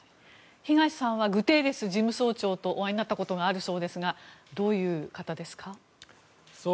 東さんはグテーレス事務総長とお会いになったことがあるそうですがどういう方ですか？